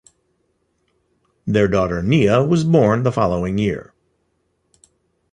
Their daughter Nia was born the following year.